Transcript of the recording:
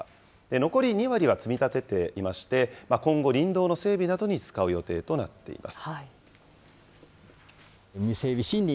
残り２割は積み立てていまして、今後、林道の整備などに使う予定となっています。